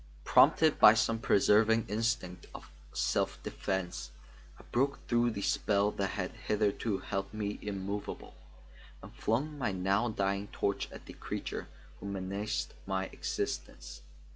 Prompted by some preserving instinct of self defense, I broke through the spell that had hitherto held me immovable, and flung my now dying torch at the creature who menaced my existence.